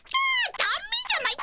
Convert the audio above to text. だめじゃないか！